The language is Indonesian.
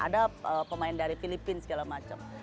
ada pemain dari filipina segala macam